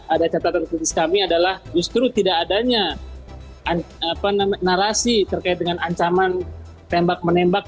ada catatan kritis kami adalah justru tidak adanya narasi terkait dengan ancaman tembak menembak